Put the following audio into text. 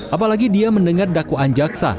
apalagi dia mendengar dakwaan jaksa